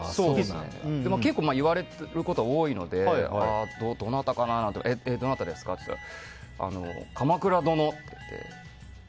結構言われることは多いのでどなたかなと思ってどなたですか？と聞いたら「鎌倉殿」って。